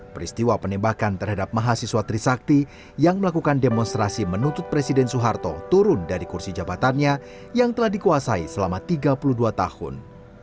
peristiwa penembakan terhadap mahasiswa trisakti yang melakukan demonstrasi menuntut presiden soeharto turun dari kursi jabatannya yang telah dikuasai selama tiga puluh dua tahun